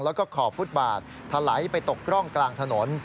แล้วก็ขอบฟุตบาทถลายไปตกร่องกลางถนน